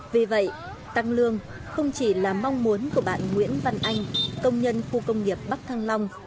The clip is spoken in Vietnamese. vì vậy tăng lương không chỉ là mong muốn của bạn nguyễn văn anh công nhân khu công nghiệp bắc thăng long